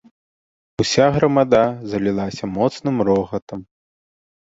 Уся грамада залілася моцным рогатам.